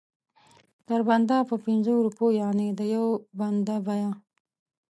تر بنده په پنځو روپو یعنې د یو بند بیه.